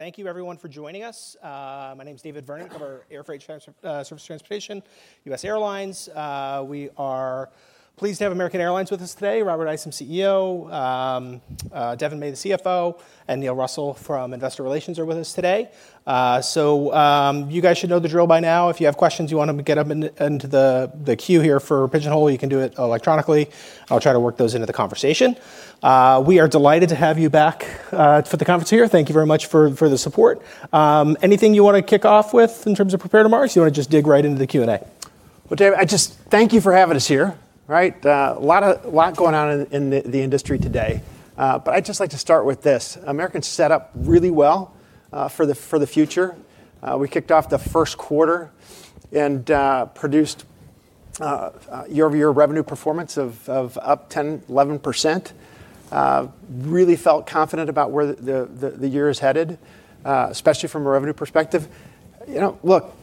Thank you everyone for joining us. My name is David Vernon, cover Air Freight, Surface Transportation, U.S. Airlines. We are pleased to have American Airlines with us today. Robert Isom, CEO, Devon May, the CFO, and Neil Russell from Investor Relations are with us today. You guys should know the drill by now. If you have questions you want to get up into the queue here for Pigeonhole, you can do it electronically. I'll try to work those into the conversation. We are delighted to have you back for the conference here. Thank you very much for the support. Anything you want to kick off with in terms of prepare tomorrow or you want to just dig right into the Q&A? Well, David, I just thank you for having us here. Right. A lot going on in the industry today. I'd just like to start with this. American's set up really well for the future. We kicked off the first quarter and produced year-over-year revenue performance of up 10%-11%. We really felt confident about where the year is headed, especially from a revenue perspective. Look,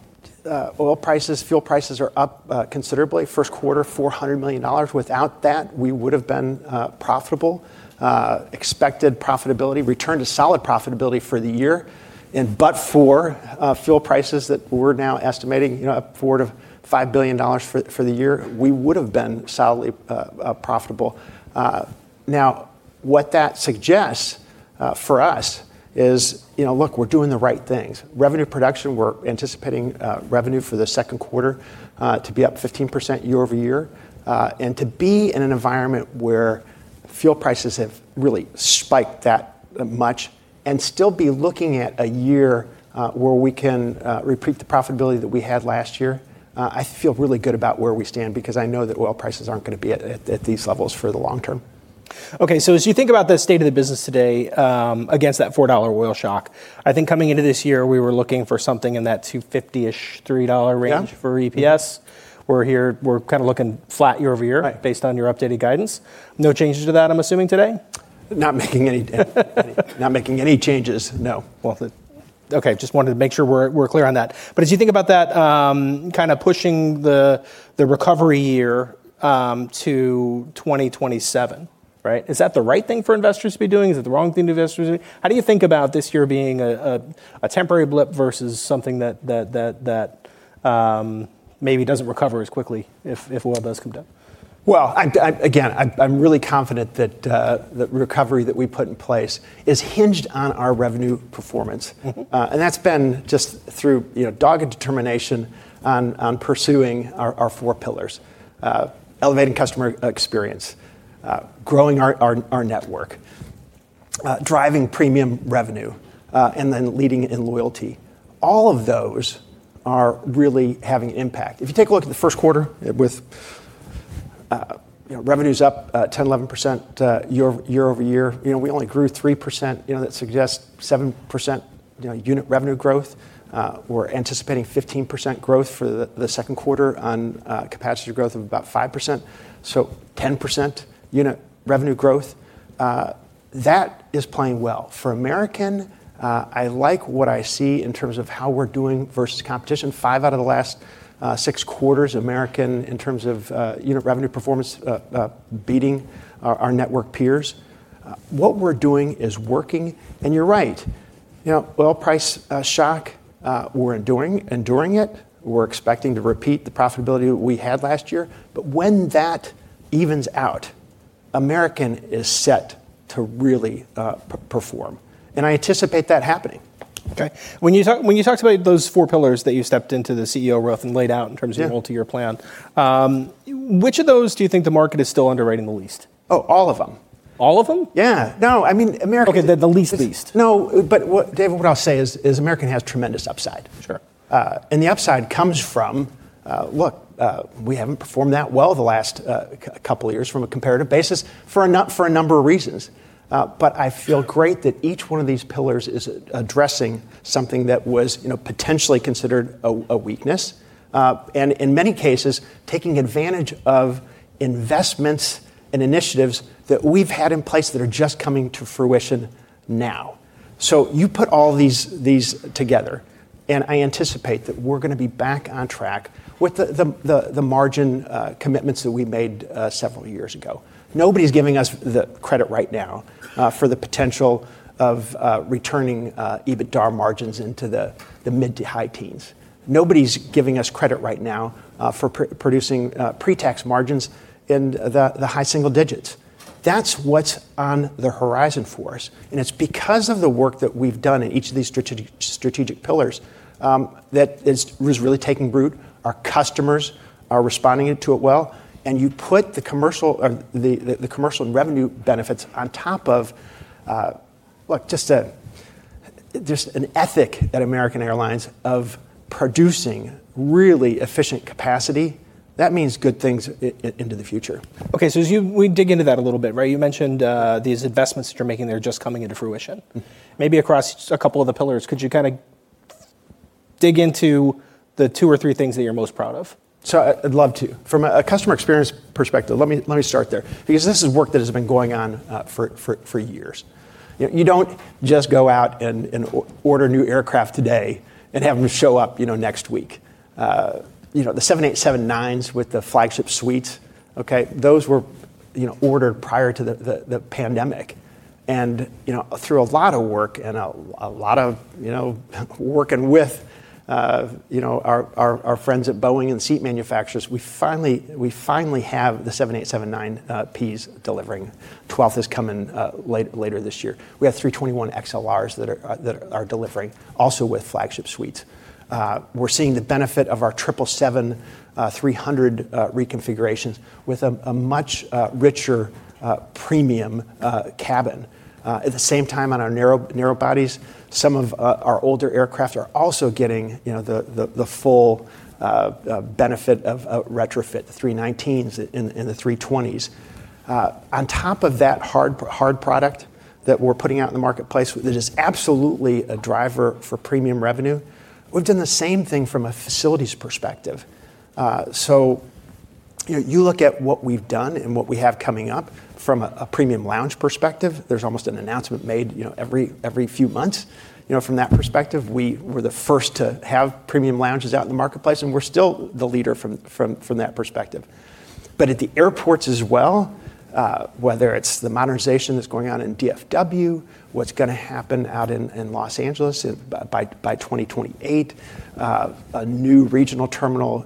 oil prices, fuel prices are up considerably. First quarter, $400 million. Without that, we would've been profitable. Expected profitability, return to solid profitability for the year. But for fuel prices that we're now estimating up forward of $5 billion for the year, we would've been solidly profitable. What that suggests for us is look, we're doing the right things. Revenue production, we're anticipating revenue for the second quarter to be up 15% year-over-year. To be in an environment where fuel prices have really spiked that much and still be looking at a year where we can repeat the profitability that we had last year, I feel really good about where we stand because I know that oil prices aren't going to be at these levels for the long term. Okay. As you think about the state of the business today, against that $4 oil shock, I think coming into this year, we were looking for something in that 250-ish, $3 range- Yeah. -for EPS. We're kind of looking flat year-over-year Right. -based on your updated guidance. No changes to that, I'm assuming today? Not making any changes, no. Well, okay. Just wanted to make sure we're clear on that. As you think about that, kind of pushing the recovery year to 2027, right? Is that the right thing for investors to be doing? Is it the wrong thing for investors to be doing? How do you think about this year being a temporary blip versus something that maybe doesn't recover as quickly if oil does come down? Again, I'm really confident that the recovery that we put in place is hinged on our revenue performance. That's been just through dogged determination on pursuing our four pillars. Elevating customer experience, growing our network, driving premium revenue, and then leading in loyalty. All of those are really having impact. If you take a look at the first quarter with revenues up 10-11% year-over-year. We only grew 3%, that suggests 7% unit revenue growth. We're anticipating 15% growth for the second quarter on capacity growth of about 5%. 10% unit revenue growth. That is playing well. For American, I like what I see in terms of how we're doing versus competition. Five out of the last six quarters, American, in terms of unit revenue performance, beating our network peers. What we're doing is working, and you're right. Oil price shock, we're enduring it. We're expecting to repeat the profitability that we had last year. When that evens out, American is set to really perform. I anticipate that happening. Okay. When you talked about those four pillars that you stepped into the CEO role and laid out in terms of- Yeah. -your multi-year plan, which of those do you think the market is still underwriting the least? Oh, all of them. All of them? Yeah. No, I mean, Okay, the least. No, David, what I'll say is American has tremendous upside. Sure. The upside comes from, look, we haven't performed that well the last couple of years from a comparative basis for a number of reasons. I feel great that each one of these pillars is addressing something that was potentially considered a weakness. In many cases, taking advantage of investments and initiatives that we've had in place that are just coming to fruition now. You put all these together, and I anticipate that we're going to be back on track with the margin commitments that we made several years ago. Nobody's giving us the credit right now for the potential of returning EBITDA margins into the mid to high teens. Nobody's giving us credit right now for producing pre-tax margins in the high single digits. That's what's on the horizon for us, and it's because of the work that we've done in each of these strategic pillars that is really taking root. Our customers are responding to it well, and you put the commercial revenue benefits on top of, look, just an ethic at American Airlines of producing really efficient capacity. That means good things into the future. Okay. As we dig into that a little bit, right, you mentioned these investments that you're making that are just coming into fruition. Maybe across a couple of the pillars, could you kind of dig into the two or three things that you're most proud of? From a customer experience perspective, let me start there because this is work that has been going on for years. You don't just go out and order new aircraft today and have them show up next week. The 787-9s with the Flagship Suite. Okay. Those were ordered prior to the pandemic. Through a lot of work and a lot of working with our friends at Boeing and seat manufacturers, we finally have the 787-9s delivering. 12th is coming later this year. We have A321XLRs that are delivering, also with Flagship Suite. We're seeing the benefit of our 777-300 reconfigurations with a much richer premium cabin. At the same time, on our narrow bodies, some of our older aircraft are also getting the full benefit of a retrofit, the A319s and the A320s. On top of that hard product that we're putting out in the marketplace, that is absolutely a driver for premium revenue, we've done the same thing from a facilities perspective. You look at what we've done and what we have coming up from a premium lounge perspective, there's almost an announcement made every few months. From that perspective, we were the first to have premium lounges out in the marketplace, and we're still the leader from that perspective. At the airports as well, whether it's the modernization that's going on in DFW, what's going to happen out in Los Angeles by 2028, a new regional terminal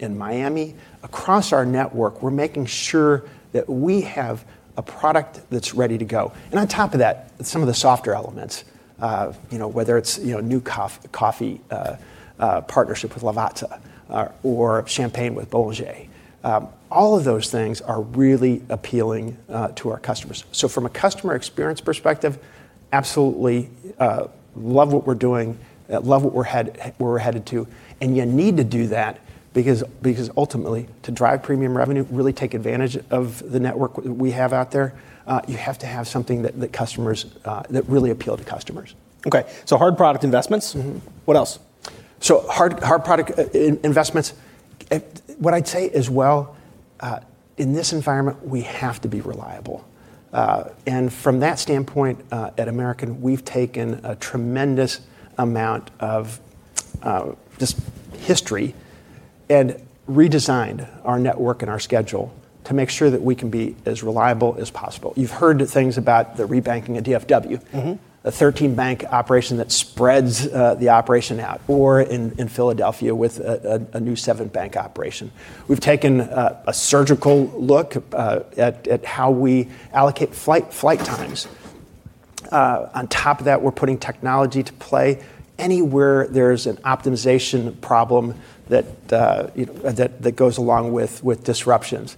in Miami. Across our network, we're making sure that we have a product that's ready to go. On top of that, some of the softer elements, whether it's new coffee partnership with Lavazza or champagne with Bollinger, all of those things are really appealing to our customers. From a customer experience perspective, absolutely love what we're doing, love what we're headed to. You need to do that because ultimately, to drive premium revenue, really take advantage of the network we have out there, you have to have something that really appeal to customers. Okay. hard product investments. What else? Hard product investments. What I'd say as well, in this environment, we have to be reliable. From that standpoint, at American, we've taken a tremendous amount of just history and redesigned our network and our schedule to make sure that we can be as reliable as possible. You've heard the things about the re-banking at DFW. A 13-bank operation that spreads the operation out, or in Philadelphia with a new seven-bank operation. We've taken a surgical look at how we allocate flight times. On top of that, we're putting technology to play anywhere there's an optimization problem that goes along with disruptions.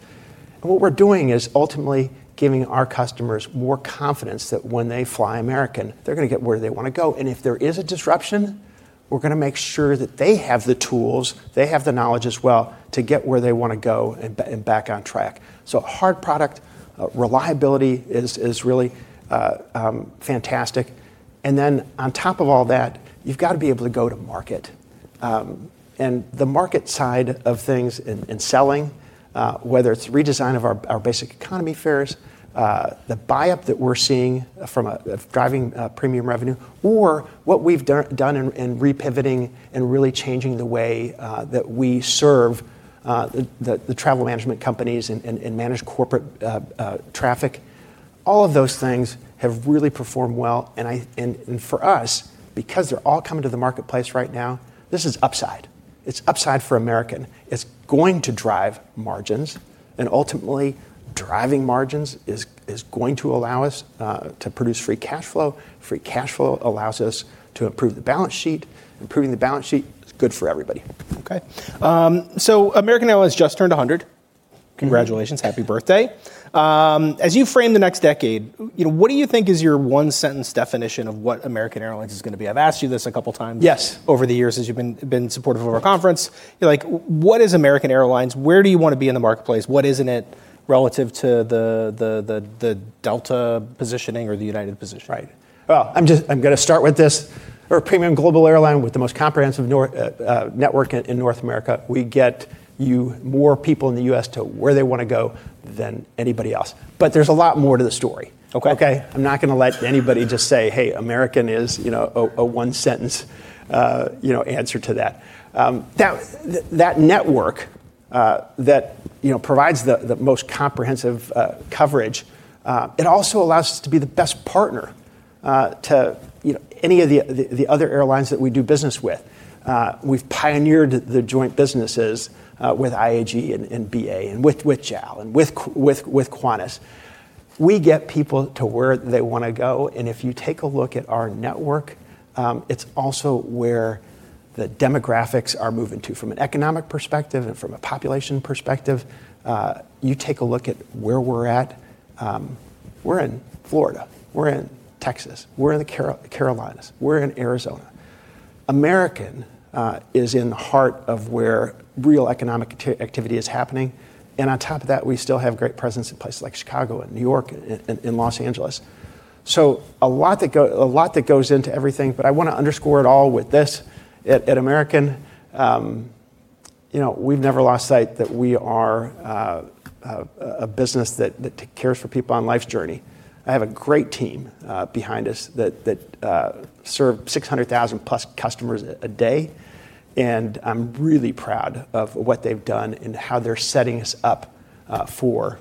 What we're doing is ultimately giving our customers more confidence that when they fly American, they're going to get where they want to go. If there is a disruption, we're going to make sure that they have the tools, they have the knowledge as well, to get where they want to go and back on track. Hard product reliability is really fantastic. Then on top of all that, you've got to be able to go to market. The market side of things and selling, whether it's redesign of our Basic Economy fares, the buy-up that we're seeing from driving premium revenue, or what we've done in re-pivoting and really changing the way that we serve the Travel Management Companies and manage corporate traffic. All of those things have really performed well, and for us, because they're all coming to the marketplace right now, this is upside. It's upside for American. It's going to drive margins, and ultimately, driving margins is going to allow us to produce free cash flow. Free cash flow allows us to improve the balance sheet. Improving the balance sheet is good for everybody. Okay. American Airlines just turned 100. Congratulations. Happy birthday. As you frame the next decade, what do you think is your one-sentence definition of what American Airlines is going to be? I've asked you this a couple times. Yes. Over the years, as you've been supportive of our conference. What is American Airlines? Where do you want to be in the marketplace? What isn't it relative to the Delta positioning or the United position? Right. Well, I'm going to start with this. We're a premium global airline with the most comprehensive network in North America. We get more people in the U.S. to where they want to go than anybody else. There's a lot more to the story. Okay. Okay? I'm not going to let anybody just say, "Hey, American is a one sentence answer to that." That network that provides the most comprehensive coverage, it also allows us to be the best partner to any of the other airlines that we do business with. We've pioneered the joint businesses with IAG and BA and with JAL and with Qantas. We get people to where they want to go, and if you take a look at our network, it's also where the demographics are moving to. From an economic perspective and from a population perspective, you take a look at where we're at. We're in Florida. We're in Texas. We're in the Carolinas. We're in Arizona. American is in the heart of where real economic activity is happening. On top of that, we still have great presence in places like Chicago and New York and Los Angeles. A lot that goes into everything, but I want to underscore it all with this. At American, we've never lost sight that we are a business that cares for people on life's journey. I have a great team behind us that serve +600,000 customers a day, and I'm really proud of what they've done and how they're setting us up for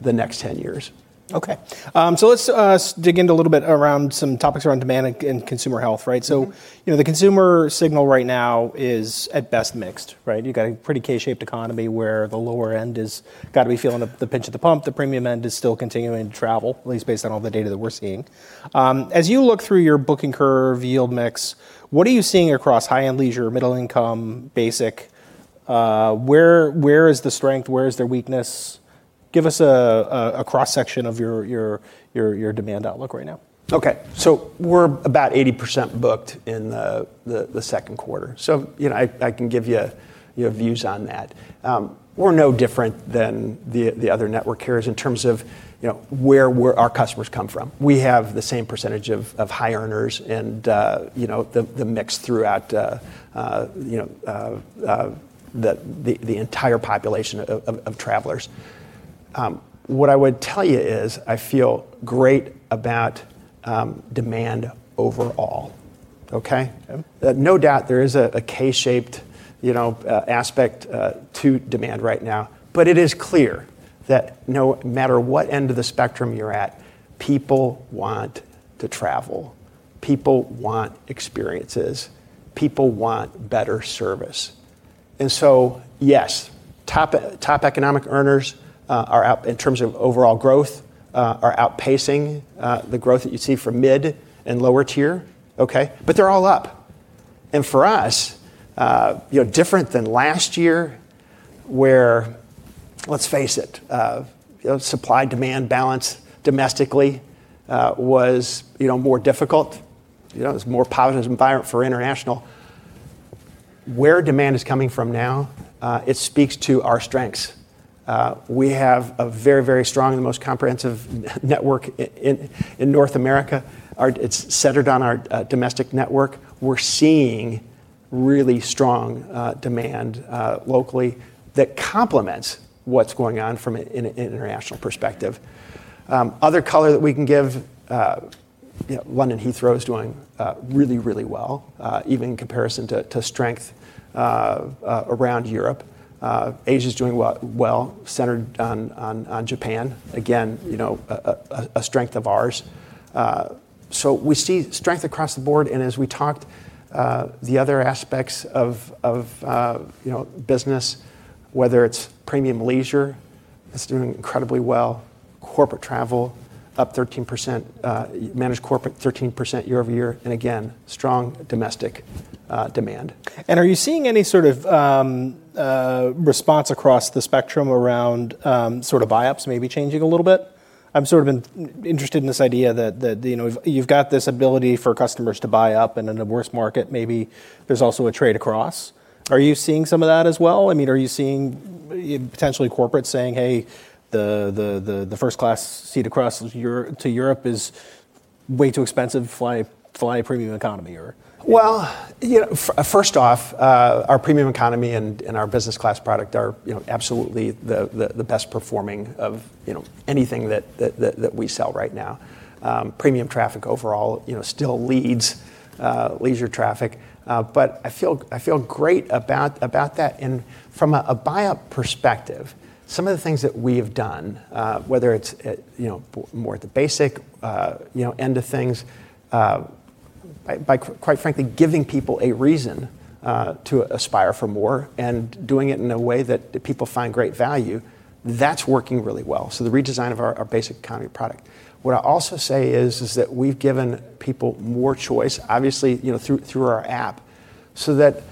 the next 10 years. Okay. Let's dig into a little bit around some topics around demand and consumer health. The consumer signal right now is, at best, mixed. You've got a pretty K-shaped economy where the lower end has got to be feeling the pinch of the pump. The premium end is still continuing to travel, at least based on all the data that we're seeing. As you look through your booking curve, yield mix, what are you seeing across high-end leisure, middle income, basic? Where is the strength? Where is their weakness? Give us a cross-section of your demand outlook right now. Okay. We're about 80% booked in the second quarter, so I can give you views on that. We're no different than the other network carriers in terms of where our customers come from. We have the same percentage of high earners and the mix throughout the entire population of travelers. What I would tell you is I feel great about demand overall. Okay? Okay. No doubt there is a K-shaped aspect to demand right now, but it is clear that no matter what end of the spectrum you're at, people want to travel. People want experiences. People want better service. Yes, top economic earners, in terms of overall growth, are outpacing the growth that you see for mid and lower tier. Okay? They're all up. For us different than last year where, let's face it, supply-demand balance domestically was more difficult. It was a more positive environment for international. Where demand is coming from now it speaks to our strengths. We have a very, very strong and the most comprehensive network in North America. It's centered on our domestic network. We're seeing really strong demand locally that complements what's going on from an international perspective. Other color that we can give, London Heathrow is doing really, really well, even in comparison to strength around Europe. Asia's doing well centered on Japan. Again, a strength of ours. We see strength across the board and as we talked the other aspects of business, whether it's premium leisure, that's doing incredibly well, corporate travel up 13%, managed corporate 13% year-over-year, and again, strong domestic demand. Are you seeing any sort of response across the spectrum around buy-ups maybe changing a little bit? I'm sort of interested in this idea that you've got this ability for customers to buy up, and in a worse market, maybe there's also a trade across. Are you seeing some of that as well? Are you seeing potentially corporates saying, "Hey, the first class seat to Europe is way too expensive. Fly Premium Economy. First off, our Premium Economy and our Business Class product are absolutely the best performing of anything that we sell right now. Premium traffic overall still leads leisure traffic. I feel great about that. From a buy-up perspective, some of the things that we have done, whether it's more at the basic end of things, by quite frankly, giving people a reason to aspire for more and doing it in a way that people find great value, that's working really well. The redesign of our Basic Economy product. What I also say is that we've given people more choice, obviously, through our app, so that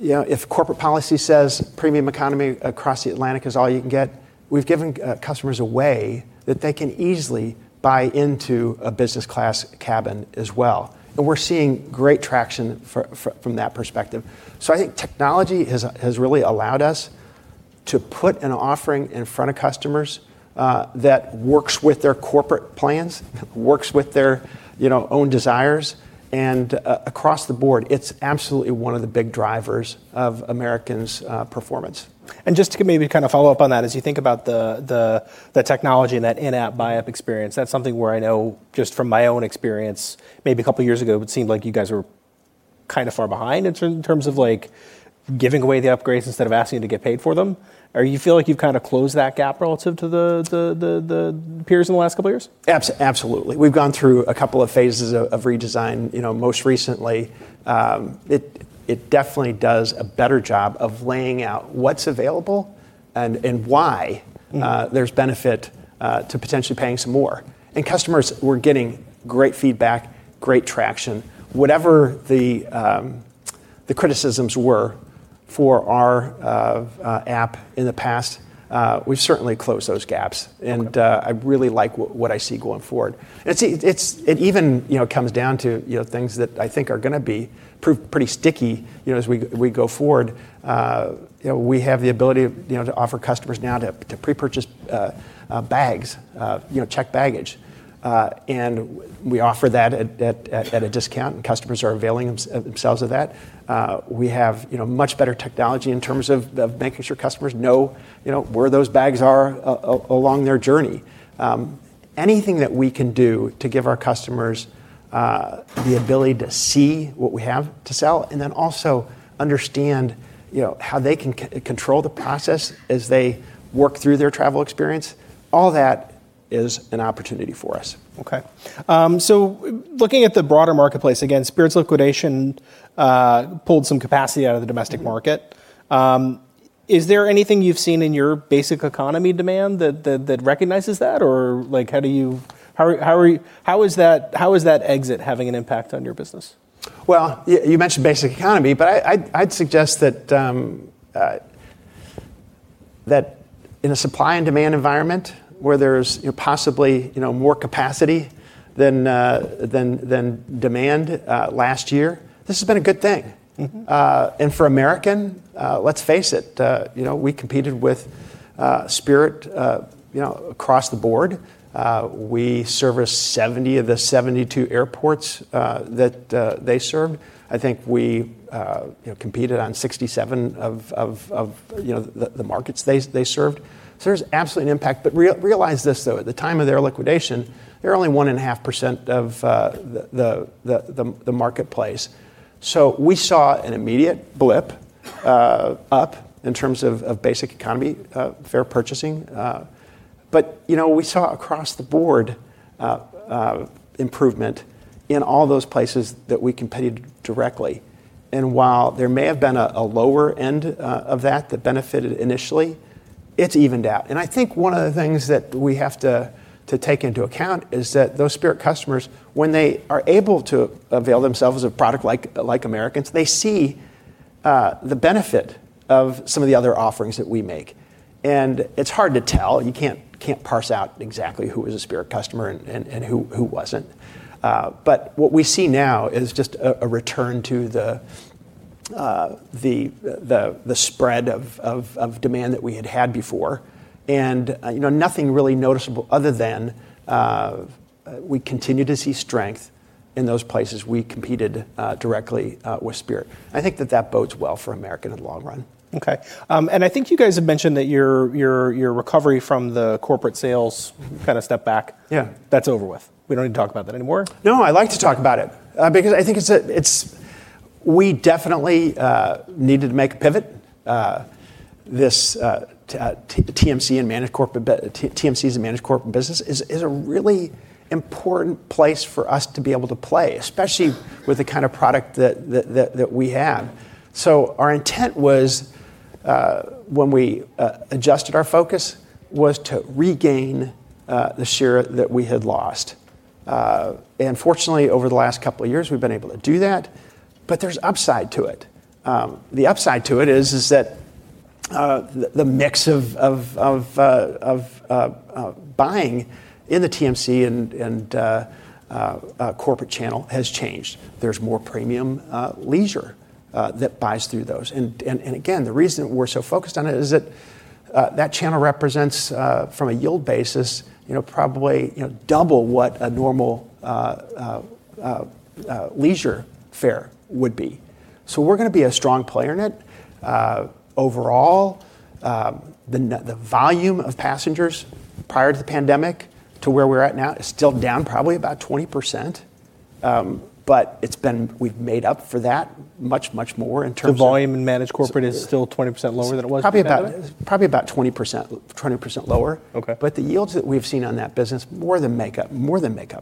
if corporate policy says Premium Economy across the Atlantic is all you can get, we've given customers a way that they can easily buy into a Business Class cabin as well. We're seeing great traction from that perspective. I think technology has really allowed us to put an offering in front of customers that works with their corporate plans, works with their own desires, and across the board, it's absolutely one of the big drivers of American's performance. Just to give maybe a follow-up on that, as you think about the technology and that in-app buy-up experience, that's something where I know just from my own experience, maybe a couple of years ago, it would seem like you guys were kind of far behind in terms of giving away the upgrades instead of asking to get paid for them. Do you feel like you've closed that gap relative to the peers in the last couple of years? Absolutely. We've gone through a couple of phases of redesign. Most recently it definitely does a better job of laying out what's available and why there's benefit to potentially paying some more. Customers were getting great feedback, great traction. Whatever the criticisms were for our app in the past, we've certainly closed those gaps, and I really like what I see going forward. It even comes down to things that I think are going to be pretty sticky as we go forward. We have the ability to offer customers now to pre-purchase bags, checked baggage. We offer that at a discount, and customers are availing themselves of that. We have much better technology in terms of making sure customers know where those bags are along their journey. Anything that we can do to give our customers the ability to see what we have to sell, and then also understand how they can control the process as they work through their travel experience, all that is an opportunity for us. Okay. Looking at the broader marketplace, again, Spirit's liquidation pulled some capacity out of the domestic market. Is there anything you've seen in your Basic Economy demand that recognizes that? Or how is that exit having an impact on your business? Well, you mentioned Basic Economy, but I'd suggest that in a supply and demand environment where there's possibly more capacity than demand last year, this has been a good thing. For American Airlines, let's face it, we competed with Spirit across the board. We service 70 of the 72 airports that they served. I think we competed on 67 of the markets they served. There's absolutely an impact. Realize this, though, at the time of their liquidation, they're only 1.5% of the marketplace. We saw an immediate blip up in terms of Basic Economy fare purchasing. We saw across the board improvement in all those places that we competed directly. While there may have been a lower end of that that benefited initially, it's evened out. I think one of the things that we have to take into account is that those Spirit customers, when they are able to avail themselves of a product like American, they see the benefit of some of the other offerings that we make. It's hard to tell. You can't parse out exactly who was a Spirit customer and who wasn't. What we see now is just a return to the spread of demand that we had had before. Nothing really noticeable other than we continue to see strength in those places we competed directly with Spirit. I think that that bodes well for American in the long run. Okay. I think you guys have mentioned that your recovery from the corporate sales step back- Yeah. -that's over with. We don't need to talk about that anymore. No, I like to talk about it. I think we definitely needed to make a pivot. This TMCs and managed corporate business is a really important place for us to be able to play, especially with the kind of product that we have. Our intent when we adjusted our focus, was to regain the share that we had lost. Fortunately, over the last couple of years, we've been able to do that, but there's upside to it. The upside to it is that the mix of buying in the TMC and corporate channel has changed. There's more premium leisure that buys through those. Again, the reason we're so focused on it is that that channel represents, from a yield basis, probably double what a normal leisure fare would be. We're going to be a strong player in it. Overall, the volume of passengers prior to the pandemic to where we're at now is still down probably about 20%, but we've made up for that much, much more in terms of. The volume in managed corporate is still 20% lower than it was pre-pandemic? Probably about 20% lower. Okay. The yields that we've seen on that business more than make up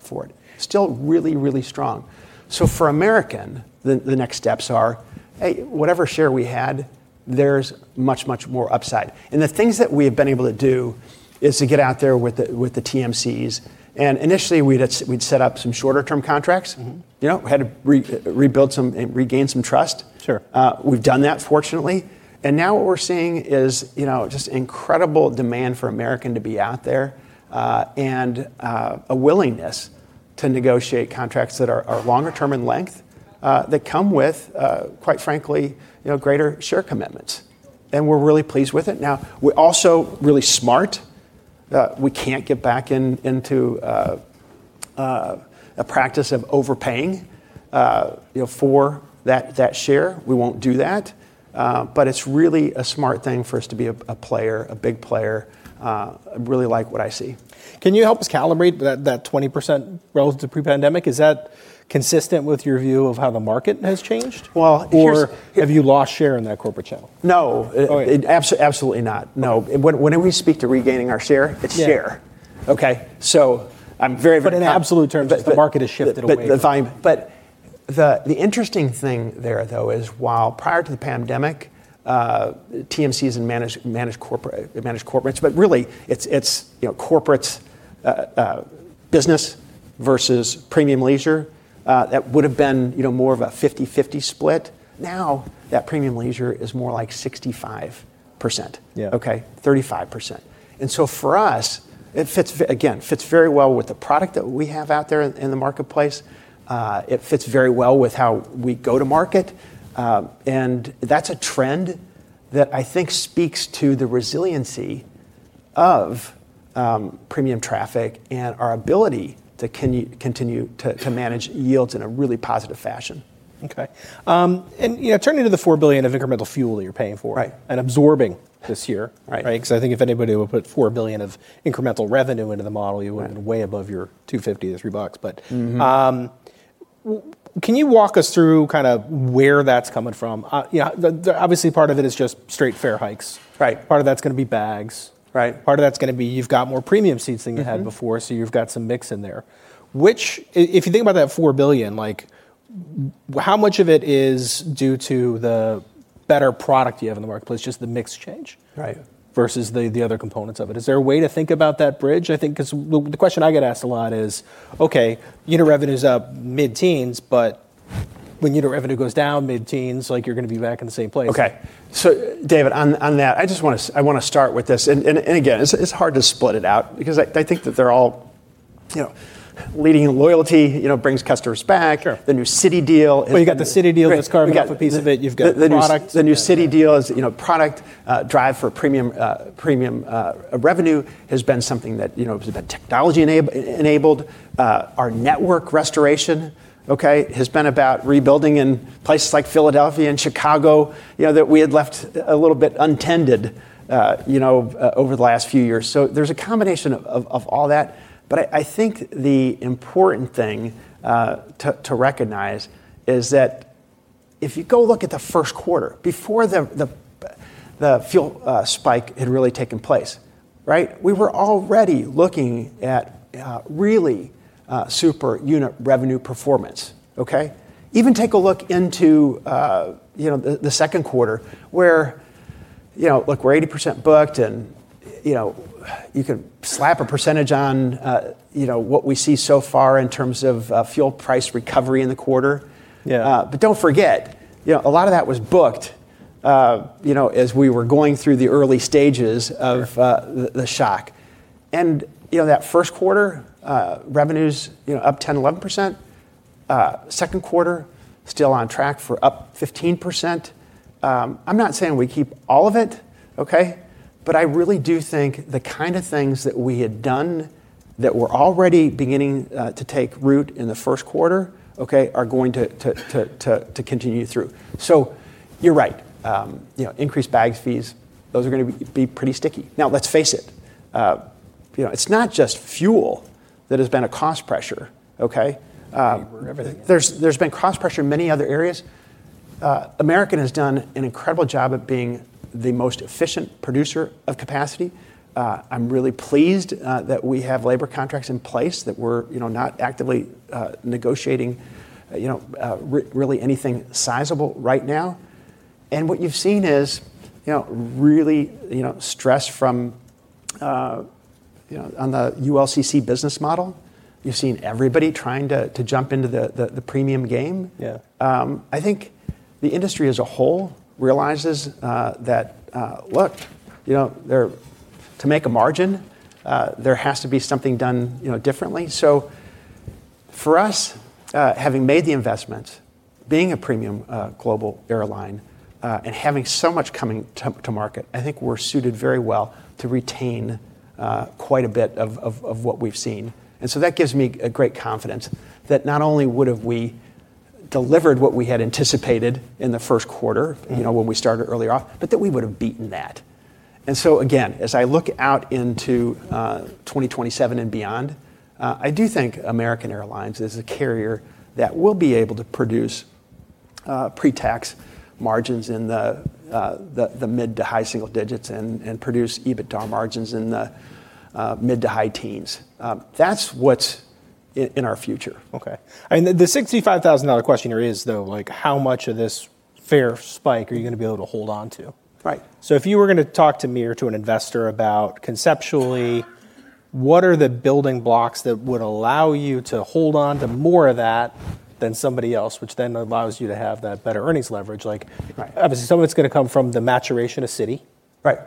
for it. Still really, really strong. For American, the next steps are, whatever share we had, there's much, much more upside. The things that we have been able to do is to get out there with the TMCs, and initially we'd set up some shorter term contracts. We had to regain some trust. Sure. We've done that, fortunately. Now what we're seeing is just incredible demand for American to be out there, and a willingness to negotiate contracts that are longer term in length, that come with, quite frankly, greater share commitments. We're really pleased with it. Now, we're also really smart. We can't get back into a practice of overpaying for that share. We won't do that. It's really a smart thing for us to be a player, a big player. I really like what I see. Can you help us calibrate that 20% relative to pre-pandemic? Is that consistent with your view of how the market has changed? Well. Have you lost share in that corporate channel? No. Oh, yeah. Absolutely not. No. When we speak to regaining our share, it's share. Yeah. Okay? In absolute terms, the market has shifted away. The interesting thing there, though, is while prior to the pandemic, TMCs and managed corporates, but really it's corporate business versus premium leisure, that would've been more of a 50/50 split. Now, that premium leisure is more like 65%. Yeah. Okay. 35%. For us, it again, fits very well with the product that we have out there in the marketplace. It fits very well with how we go to market. That's a trend that I think speaks to the resiliency of premium traffic and our ability to continue to manage yields in a really positive fashion. Okay. Turning to the $4 billion of incremental fuel that you're paying for. Right. Absorbing this year. Right. I think if anybody would put $4 billion of incremental revenue into the model, you went way above your $2.50-$3. Can you walk us through where that's coming from? Obviously, part of it is just straight fare hikes. Right. Part of that's going to be bags. Right. Part of that's going to be you've got more premium seats than you had before, so you've got some mix in there. If you think about that $4 billion, how much of it is due to the better product you have in the marketplace, just the mix change? Right. Versus the other components of it. Is there a way to think about that bridge because the question I get asked a lot is, unit revenue's up mid-teens, but when unit revenue goes down mid-teens, you're going to be back in the same place? Okay. David, on that, I want to start with this, again, it's hard to split it out because I think that they're all leading in loyalty, brings customers back. Sure. The new Citi deal is- Well, you've got the Citi deal that's carving off a piece of it, you've got the product. The new Citi deal is product drive for premium, revenue has been something that has been technology-enabled. Our network restoration has been about rebuilding in places like Philadelphia and Chicago, that we had left a little bit untended over the last few years. There's a combination of all that, but I think the important thing to recognize is that if you go look at the first quarter, before the fuel spike had really taken place. We were already looking at really super unit revenue performance. Okay? Even take a look into the second quarter, where look, we're 80% booked and you could slap a percentage on what we see so far in terms of fuel price recovery in the quarter. Yeah. Don't forget, a lot of that was booked as we were going through the early stages- Sure. -the shock. That first quarter revenue's up 10%, 11%. Second quarter, still on track for up 15%. I'm not saying we keep all of it, okay? I really do think the kind of things that we had done that were already beginning to take root in the first quarter are going to continue through. You're right. Increased bags fees, those are going to be pretty sticky. Let's face it. It's not just fuel that has been a cost pressure, okay? Labor, everything, yeah. There's been cost pressure in many other areas. American has done an incredible job of being the most efficient producer of capacity. I'm really pleased that we have labor contracts in place that we're not actively negotiating really anything sizable right now. What you've seen is really stress from on the ULCC business model. You've seen everybody trying to jump into the premium game. Yeah. I think the industry as a whole realizes that, look, to make a margin, there has to be something done differently. For us, having made the investment, being a premium global airline, and having so much coming to market, I think we're suited very well to retain quite a bit of what we've seen. That gives me a great confidence that not only would have we delivered what we had anticipated in the first quarter when we started earlier off, but that we would've beaten that. Again, as I look out into 2027 and beyond, I do think American Airlines is a carrier that will be able to produce pre-tax margins in the mid to high single digits and produce EBITDA margins in the mid to high teens. That's what's in our future. Okay. The $65,000 question here is, though, how much of this fare spike are you going to be able to hold onto? Right. If you were going to talk to me or to an investor about, conceptually, what are the building blocks that would allow you to hold onto more of that than somebody else, which then allows you to have that better earnings leverage. Right. Obviously, some of it's going to come from the maturation of Citi. Right.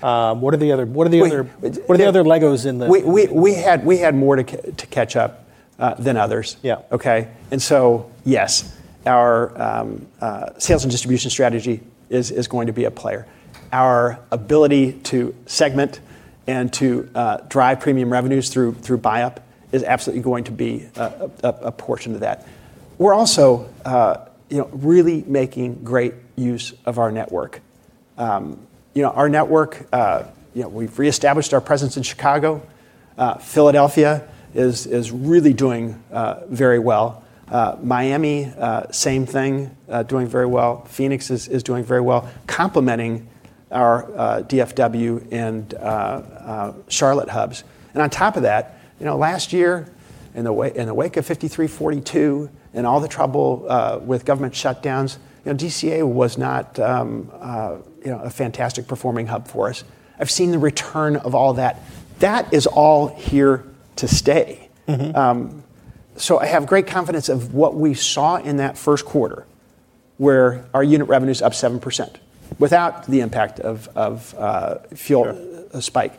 What are the other Legos in? We had more to catch up than others. Yeah. Okay? Yes, our sales and distribution strategy is going to be a player. Our ability to segment and to drive premium revenues through buy-up is absolutely going to be a portion of that. We're also really making great use of our network. Our network, we've reestablished our presence in Chicago. Philadelphia is really doing very well. Miami, same thing, doing very well. Phoenix is doing very well, complementing our DFW and Charlotte hubs. On top of that, last year, in the wake of 5342 and all the trouble with government shutdowns, DCA was not a fantastic performing hub for us. I've seen the return of all that. That is all here to stay. I have great confidence of what we saw in that first quarter, where our unit revenue's up 7%, without the impact of fuel- Sure. -spike.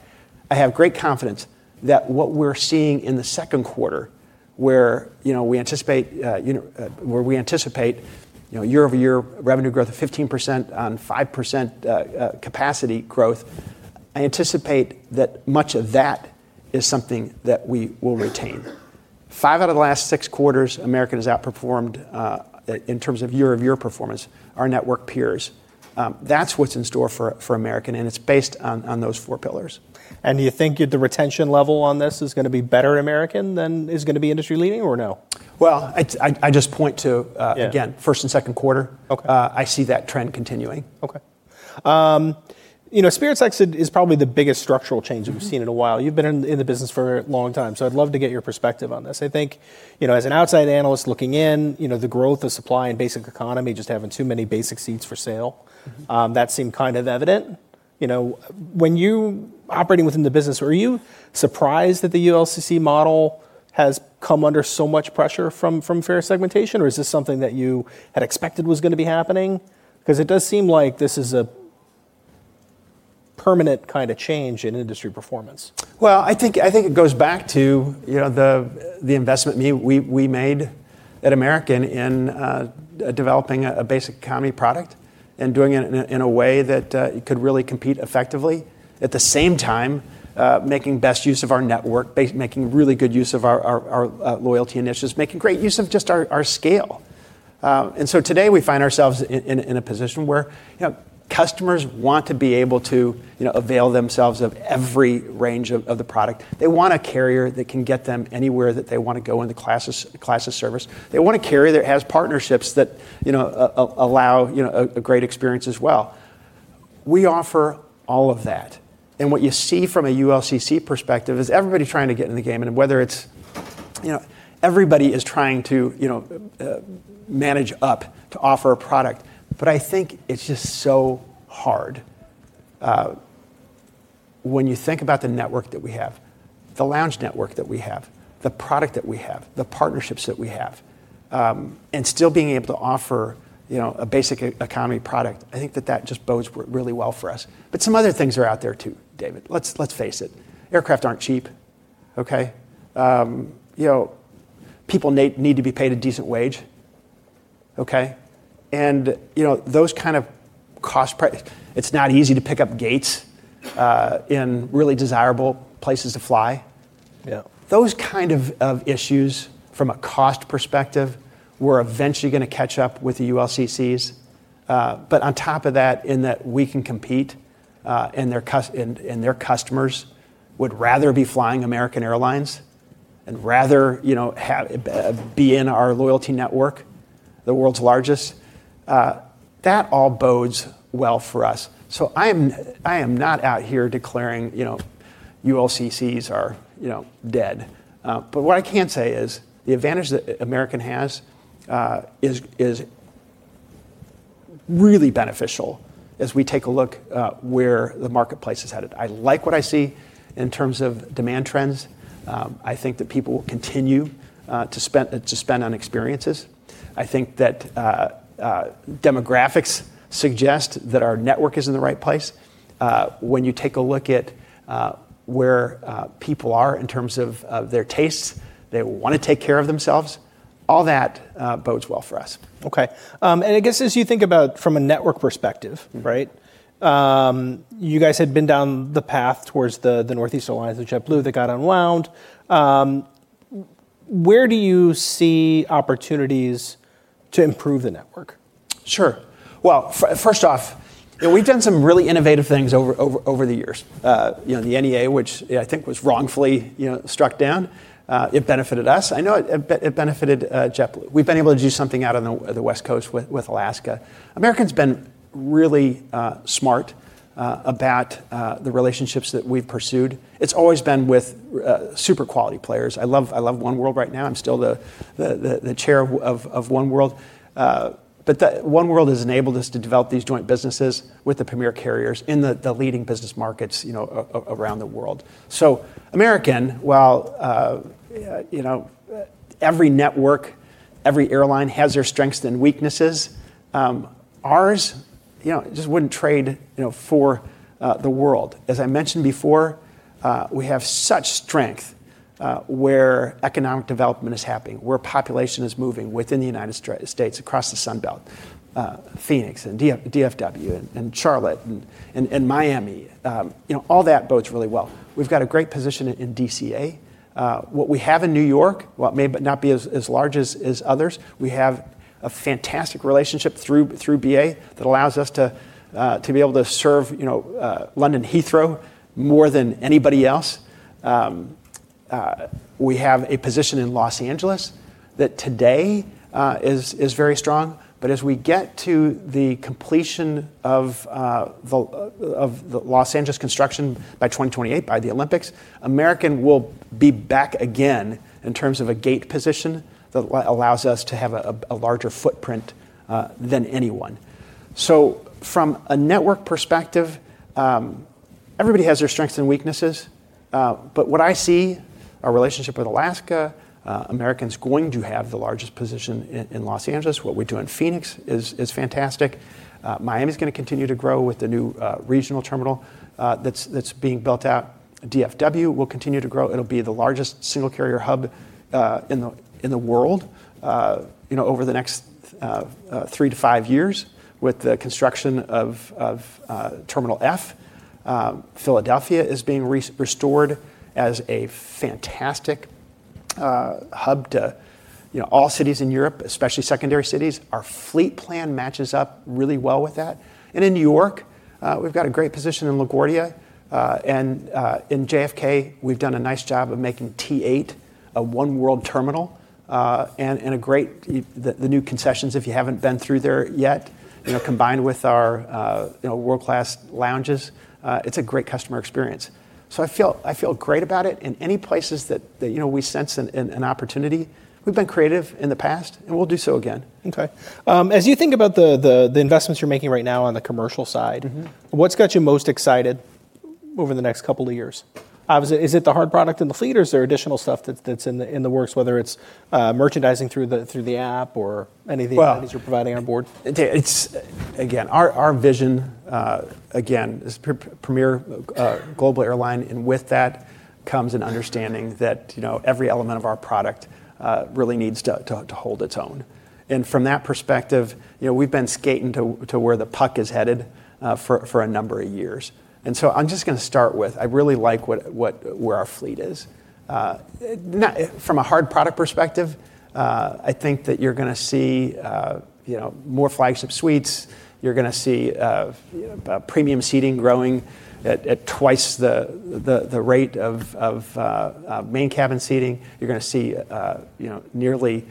I have great confidence that what we're seeing in the second quarter, where we anticipate year-over-year revenue growth of 15% on 5% capacity growth, I anticipate that much of that is something that we will retain. Five out of the last six quarters, American has outperformed, in terms of year-over-year performance, our network peers. That's what's in store for American, and it's based on those four pillars. Do you think the retention level on this is going to be better at American than is going to be industry leading, or no? Well, I just point to- Yeah. -again, first and second quarter. Okay. I see that trend continuing. Spirit's exit is probably the biggest structural change we've seen in a while. You've been in the business for a long time, so I'd love to get your perspective on this. I think as an outside analyst looking in, the growth of supply and Basic Economy just having too many basic seats for sale that seemed kind of evident. When you operating within the business, were you surprised that the ULCC model has come under so much pressure from fare segmentation, or is this something that you had expected was going to be happening? It does seem like this is a permanent kind of change in industry performance. Well, I think it goes back to the investment we made at American in developing a Basic Economy product and doing it in a way that it could really compete effectively. At the same time, making best use of our network, making really good use of our loyalty initiatives, making great use of just our scale. Today, we find ourselves in a position where customers want to be able to avail themselves of every range of the product. They want a carrier that can get them anywhere that they want to go in the class of service. They want a carrier that has partnerships that allow a great experience as well. We offer all of that, and what you see from a ULCC perspective is everybody trying to get in the game, and Everybody is trying to manage up to offer a product, but I think it's just so hard. When you think about the network that we have, the lounge network that we have, the product that we have, the partnerships that we have, and still being able to offer a Basic Economy product, I think that that just bodes really well for us. Some other things are out there too, David. Let's face it. Aircraft aren't cheap. Okay? People need to be paid a decent wage. Okay? It's not easy to pick up gates in really desirable places to fly. Yeah. Those kind of issues from a cost perspective were eventually going to catch up with the ULCCs. On top of that, in that we can compete, and their customers would rather be flying American Airlines and rather be in our loyalty network, the world's largest. That all bodes well for us. I am not out here declaring ULCCs are dead. What I can say is the advantage that American has is really beneficial as we take a look where the marketplace is headed. I like what I see in terms of demand trends. I think that people will continue to spend on experiences. I think that demographics suggest that our network is in the right place. When you take a look at where people are in terms of their tastes, they want to take care of themselves. All that bodes well for us. Okay. I guess as you think about from a network perspective, right? You guys had been down the path towards the Northeast Alliance with JetBlue that got unwound. Where do you see opportunities to improve the network? Sure. Well, first off, we've done some really innovative things over the years. The NEA, which I think was wrongfully struck down, it benefited us. I know it benefited JetBlue. We've been able to do something out on the West Coast with Alaska. American's been really smart about the relationships that we've pursued. It's always been with super quality players. I love oneworld right now. I'm still the Chair of oneworld. Oneworld has enabled us to develop these joint businesses with the premier carriers in the leading business markets around the world. American, while every network, every airline has their strengths and weaknesses, ours I just wouldn't trade for the world. As I mentioned before, we have such strength where economic development is happening, where population is moving within the United States, across the Sun Belt, Phoenix and DFW and Charlotte and Miami. All that bodes really well. We've got a great position in DCA. What we have in New York, while it may not be as large as others, we have a fantastic relationship through BA that allows us to be able to serve London Heathrow more than anybody else. We have a position in Los Angeles that today is very strong. But as we get to the completion of the Los Angeles construction by 2028, by the Olympics, American will be back again in terms of a gate position that allows us to have a larger footprint than anyone. From a network perspective, everybody has their strengths and weaknesses. But what I see, our relationship with Alaska, American's going to have the largest position in Los Angeles. What we do in Phoenix is fantastic. Miami's going to continue to grow with the new regional terminal that's being built out. DFW will continue to grow. It'll be the largest single carrier hub in the world over the next three to five years with the construction of Terminal F. Philadelphia is being restored as a fantastic hub to all cities in Europe, especially secondary cities. Our fleet plan matches up really well with that. In New York, we've got a great position in LaGuardia. In JFK, we've done a nice job of making T8 a oneworld terminal, and the new concessions, if you haven't been through there yet, combined with our world-class lounges, it's a great customer experience. I feel great about it. Any places that we sense an opportunity, we've been creative in the past, and we'll do so again. As you think about the investments you're making right now on the commercial side. What's got you most excited over the next couple of years? Is it the hard product and the fleet, or is there additional stuff that's in the works, whether it's merchandising through the app or any of the- Well. -amenities you're providing on board? Our vision, again, is premier global airline. With that comes an understanding that every element of our product really needs to hold its own. From that perspective, we've been skating to where the puck is headed for a number of years. I'm just going to start with, I really like where our fleet is. From a hard product perspective, I think that you're going to see more Flagship Suite. You're going to see premium seating growing at twice the rate of main cabin seating. You're going to see nearly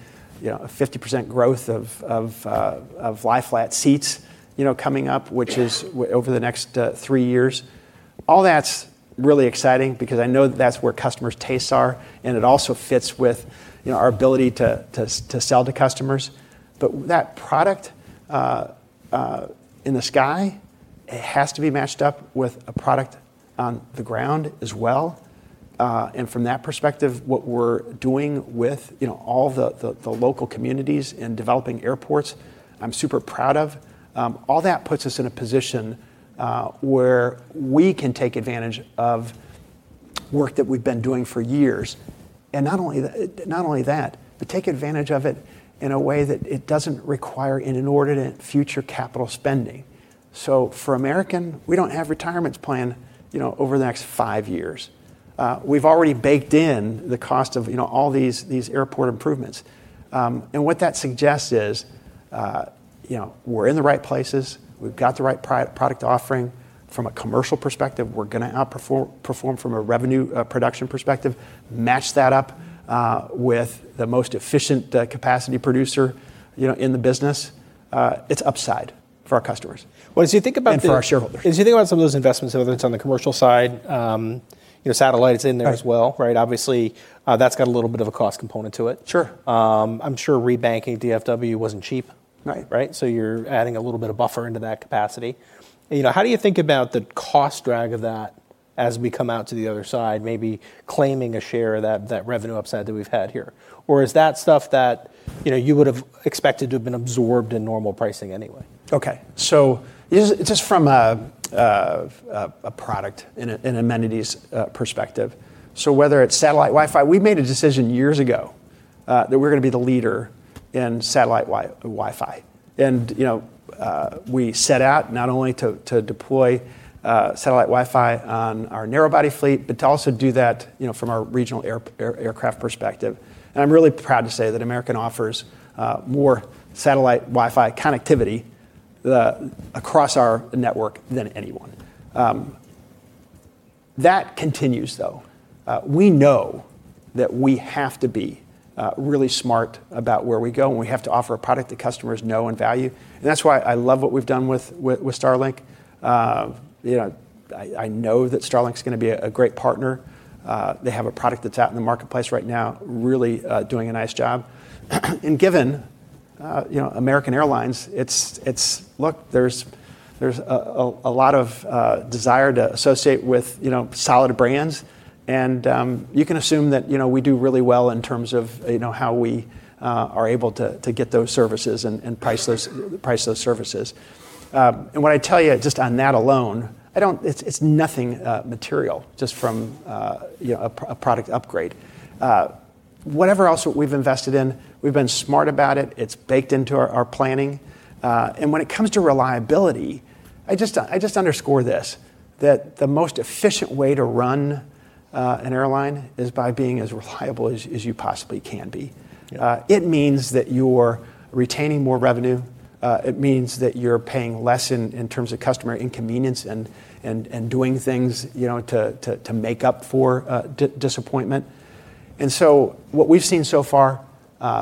a 50% growth of lie-flat seats coming up, which is over the next three years. All that's really exciting because I know that's where customers' tastes are, and it also fits with our ability to sell to customers. That product in the sky, it has to be matched up with a product on the ground as well. From that perspective, what we're doing with all the local communities in developing airports, I'm super proud of. All that puts us in a position where we can take advantage of work that we've been doing for years. Not only that, but take advantage of it in a way that it doesn't require inordinate future capital spending. For American, we don't have retirements planned over the next five years. We've already baked in the cost of all these airport improvements. What that suggests is we're in the right places, we've got the right product offering. From a commercial perspective, we're going to outperform from a revenue production perspective. Match that up with the most efficient capacity producer in the business. It's upside for our customers. Well, as you think about. For our shareholders. -as you think about some of those investments, whether it's on the commercial side, satellite is in there as well. Right. Obviously, that's got a little bit of a cost component to it. Sure. I'm sure re-banking DFW wasn't cheap. Right. You're adding a little bit of buffer into that capacity. How do you think about the cost drag of that as we come out to the other side, maybe claiming a share of that revenue upside that we've had here? Is that stuff that you would've expected to have been absorbed in normal pricing anyway? Okay. Just from a product and amenities perspective. Whether it's satellite Wi-Fi, we made a decision years ago that we're going to be the leader in satellite Wi-Fi. We set out not only to deploy satellite Wi-Fi on our narrow body fleet, but to also do that from our regional aircraft perspective. I'm really proud to say that American offers more satellite Wi-Fi connectivity across our network than anyone. That continues, though. We know that we have to be really smart about where we go, and we have to offer a product that customers know and value. That's why I love what we've done with Starlink. I know that Starlink's going to be a great partner. They have a product that's out in the marketplace right now, really doing a nice job. Given American Airlines, look, there's a lot of desire to associate with solid brands. You can assume that we do really well in terms of how we are able to get those services and price those services. What I tell you just on that alone, it's nothing material, just from a product upgrade. Whatever else we've invested in, we've been smart about it. It's baked into our planning. When it comes to reliability, I just underscore this, that the most efficient way to run an airline is by being as reliable as you possibly can be. Yeah. It means that you're retaining more revenue. It means that you're paying less in terms of customer inconvenience and doing things to make up for disappointment. What we've seen so far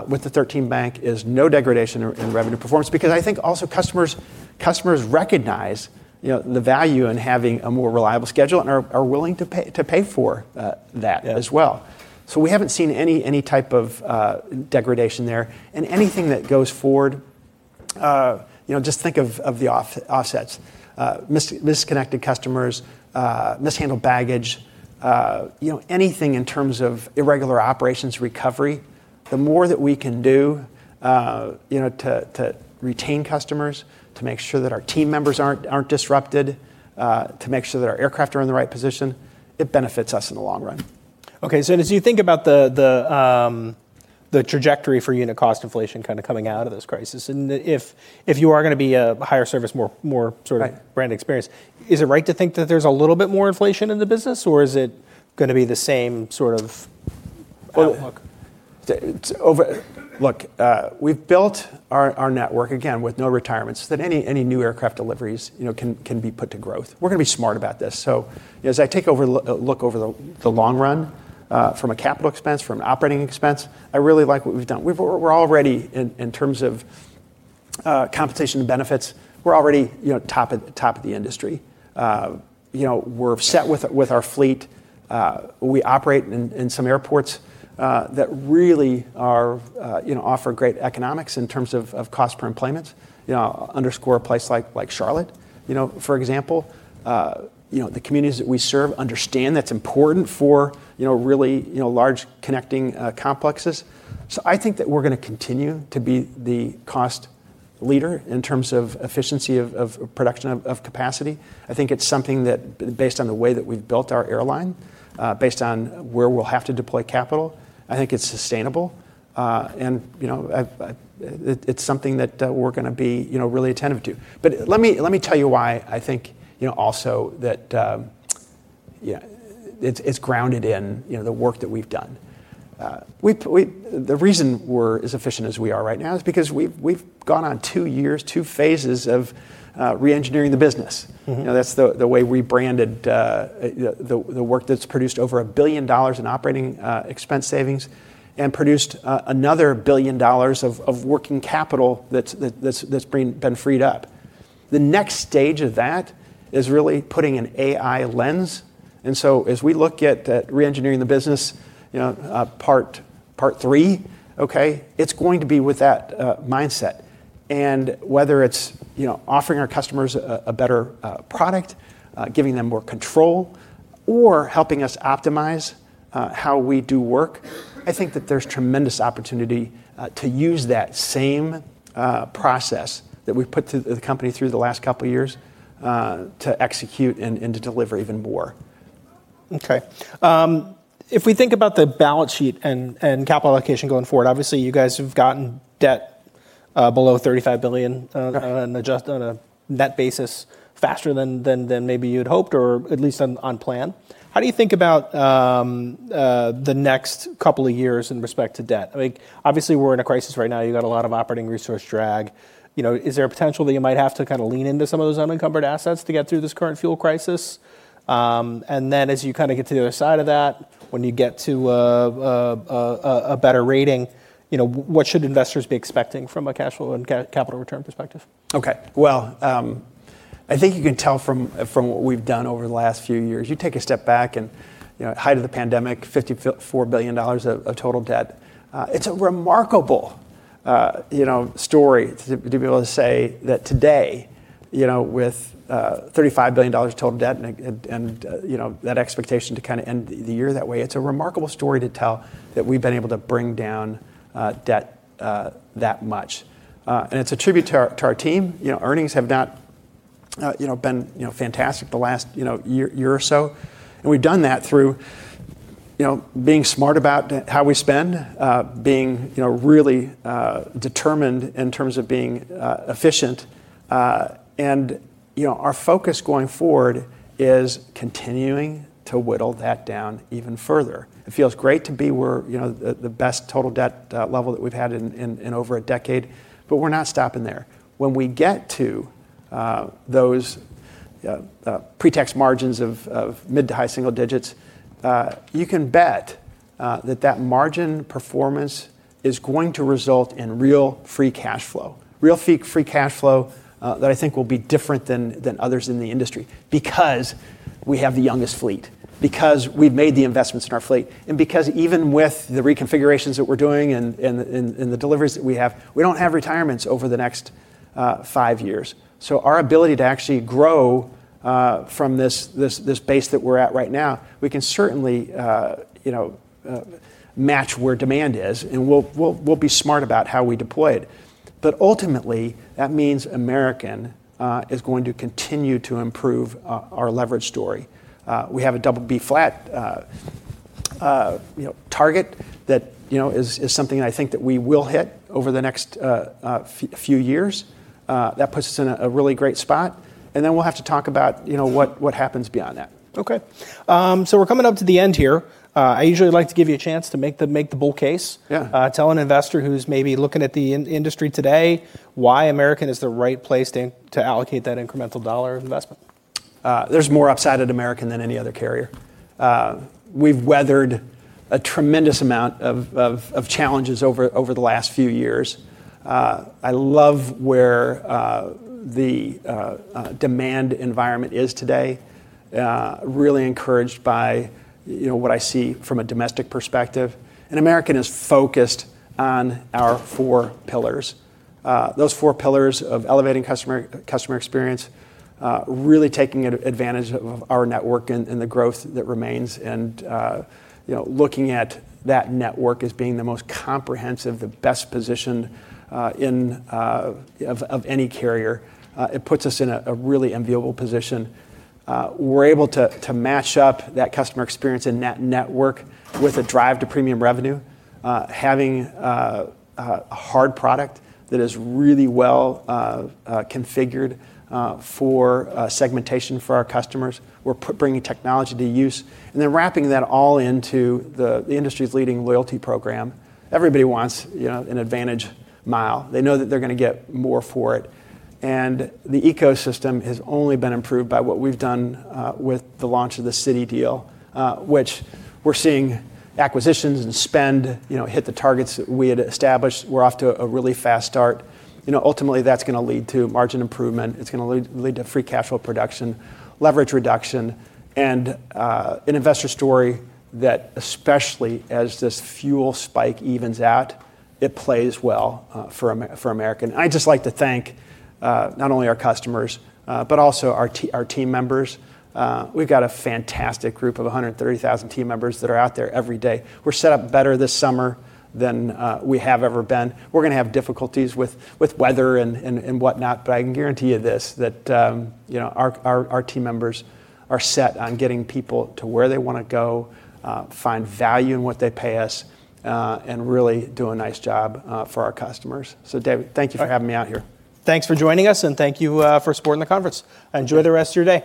with the 13 bank is no degradation in revenue performance because I think also customers recognize the value in having a more reliable schedule and are willing to pay for that as well. We haven't seen any type of degradation there. Anything that goes forward, just think of the offsets. Misconnected customers, mishandled baggage, anything in terms of irregular operations recovery, the more that we can do to retain customers, to make sure that our team members aren't disrupted, to make sure that our aircraft are in the right position, it benefits us in the long run. Okay. As you think about the trajectory for unit cost inflation coming out of this crisis, and if you are going to be a higher service, more- Right. -brand experience, is it right to think that there's a little bit more inflation in the business, or is it going to be the same sort of outlook? Look, we've built our network, again, with no retirements, that any new aircraft deliveries can be put to growth. We're going to be smart about this. As I take a look over the long run from a capital expense, from an operating expense, I really like what we've done. In terms of compensation and benefits, we're already top of the industry. We're set with our fleet. We operate in some airports that really offer great economics in terms of cost per enplanement, underscore a place like Charlotte, for example. The communities that we serve understand that's important for really large connecting complexes. I think that we're going to continue to be the cost leader in terms of efficiency of production of capacity. I think it's something that based on the way that we've built our airline, based on where we'll have to deploy capital, I think it's sustainable. It's something that we're going to be really attentive to. Let me tell you why I think also that it's grounded in the work that we've done. The reason we're as efficient as we are right now is because we've gone on two years, two phases of re-engineering the business. That's the way we branded the work that's produced over $1 billion in operating expense savings and produced another $1 billion of working capital that's been freed up. The next stage of that is really putting an AI lens. As we look at re-engineering the business, part 3, it's going to be with that mindset. Whether it's offering our customers a better product, giving them more control, or helping us optimize how we do work, I think that there's tremendous opportunity to use that same process that we've put the company through the last couple of years, to execute and to deliver even more. If we think about the balance sheet and capital allocation going forward, obviously you guys have gotten debt below $35 billion- Okay. -on a net basis faster than maybe you'd hoped, or at least on plan. How do you think about the next couple of years in respect to debt? Obviously, we're in a crisis right now. You got a lot of operating resource drag. Is there a potential that you might have to lean into some of those unencumbered assets to get through this current fuel crisis? As you get to the other side of that, when you get to a better rating, what should investors be expecting from a cash flow and capital return perspective? Okay. Well, I think you can tell from what we've done over the last few years. You take a step back at the height of the pandemic, $54 billion of total debt. It's a remarkable story to be able to say that today, with $35 billion total debt and that expectation to end the year that way. It's a remarkable story to tell that we've been able to bring down debt that much. It's a tribute to our team. Earnings have not been fantastic the last year or so, and we've done that through being smart about how we spend, being really determined in terms of being efficient. Our focus going forward is continuing to whittle that down even further. It feels great we're the best total debt level that we've had in over a decade, but we're not stopping there. When we get to those pre-tax margins of mid to high single digits, you can bet that margin performance is going to result in real free cash flow. Real free cash flow that I think will be different than others in the industry because we have the youngest fleet, because we've made the investments in our fleet, and because even with the reconfigurations that we're doing and the deliveries that we have, we don't have retirements over the next five years. Our ability to actually grow from this base that we're at right now, we can certainly match where demand is, and we'll be smart about how we deploy it. Ultimately, that means American is going to continue to improve our leverage story. We have a BB- flat target that is something I think that we will hit over the next few years. That puts us in a really great spot, and then we'll have to talk about what happens beyond that. Okay. We're coming up to the end here. I usually like to give you a chance to make the bull case. Yeah. Tell an investor who's maybe looking at the industry today why American is the right place to allocate that incremental dollar of investment. There's more upside at American than any other carrier. We've weathered a tremendous amount of challenges over the last few years. I love where the demand environment is today. Really encouraged by what I see from a domestic perspective. American is focused on our four pillars. Those four pillars of elevating customer experience, really taking advantage of our network and the growth that remains, and looking at that network as being the most comprehensive, the best positioned of any carrier. It puts us in a really enviable position. We're able to match up that customer experience and net network with a drive to premium revenue, having a hard product that is really well configured for segmentation for our customers. We're bringing technology to use, wrapping that all into the industry's leading loyalty program. Everybody wants an AAdvantage mile. They know that they're going to get more for it. The ecosystem has only been improved by what we've done with the launch of the Citi deal, which we're seeing acquisitions and spend hit the targets that we had established. We're off to a really fast start. Ultimately, that's going to lead to margin improvement. It's going to lead to free cash flow production, leverage reduction, and an investor story that, especially as this fuel spike evens out, it plays well for American. I'd just like to thank not only our customers, but also our team members. We've got a fantastic group of 130,000 team members that are out there every day. We're set up better this summer than we have ever been. We're going to have difficulties with weather and whatnot, but I can guarantee you this, that our team members are set on getting people to where they want to go, find value in what they pay us, and really do a nice job for our customers. David, thank you for having me out here. Thanks for joining us, and thank you for supporting the conference. Thank you. Enjoy the rest of your day.